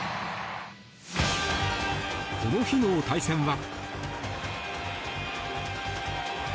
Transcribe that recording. この日の対戦は。